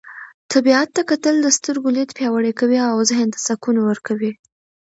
طبیعت ته کتل د سترګو لید پیاوړی کوي او ذهن ته سکون ورکوي.